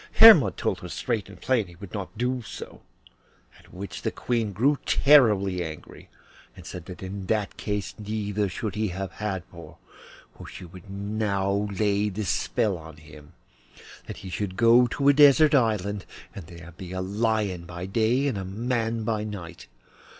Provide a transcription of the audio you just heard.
Hermod told her straight and plain that he would not do so, at which the Queen grew terribly angry, and said that in that case neither should he have Hadvor, for she would now lay this spell on him, that he should go to a desert island and there be a lion by day and a man by night.